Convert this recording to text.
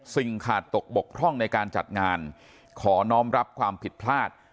ขาดตกบกพร่องในการจัดงานขอน้องรับความผิดพลาด